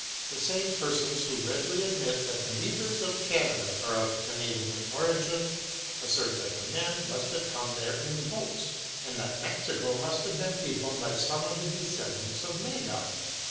The same persons who readily admit that the beavers of Canada are of Canadian origin, assert that the men must have come there in boats, and that Mexico must have been peopled by some of the descendants of Magog.